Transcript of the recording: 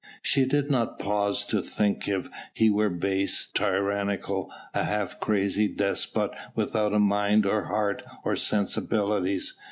She did not pause to think if he were base, tyrannical, a half crazy despot without mind or heart or sensibilities.